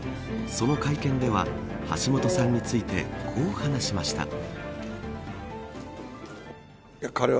その会見では橋下さんについてこう話しました。